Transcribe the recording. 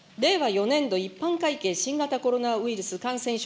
４年度一般会計新型コロナウイルス感染症